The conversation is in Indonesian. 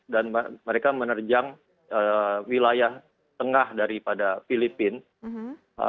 dan mereka menerjang wilayah tengah daripada filipina